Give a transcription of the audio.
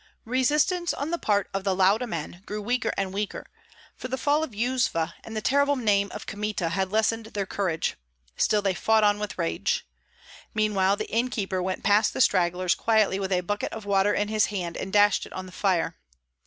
Resistance on the part of the Lauda men grew weaker and weaker, for the fall of Yuzva and the terrible name of Kmita had lessened their courage; still they fought on with rage. Meanwhile the innkeeper went past the strugglers quietly with a bucket of water in his hand and dashed it on the fire.